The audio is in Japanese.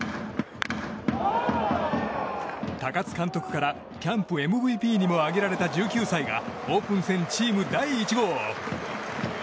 高津監督からキャンプＭＶＰにも挙げられた１９歳がオープン戦チーム第１号。